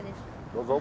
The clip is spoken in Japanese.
・どうぞ。